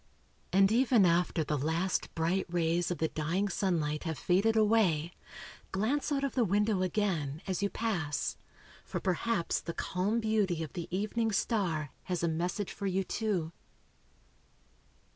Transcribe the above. And even after the last bright rays of the dying sunlight have faded away, glance out of the window again, as you pass, for perhaps the calm beauty of the evening star has a message for you too.